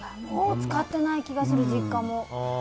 もう使ってない気がする実家も。